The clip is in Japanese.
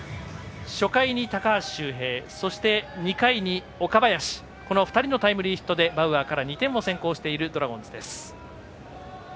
初回に高橋周平、そして２回に岡林この２人のタイムリーヒットでバウアーから２点を先行しているドラゴンズです。